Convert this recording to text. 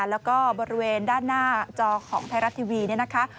แล้วก็บริเวณด้านหน้าจอของไทยรัฐทีวีเนี่ยนะคะ